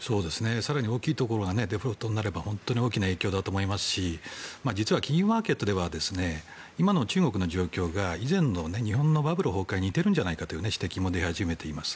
更に大きいところがデフォルトになれば本当に大きな影響だと思いますし実は金融マーケットでは今の中国の状況が以前の日本のバブル崩壊に似ているんじゃないかという指摘も出始めています。